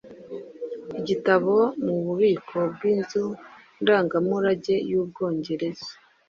i gitabo mu bubiko bwinzu ndangamurage yUbwongereza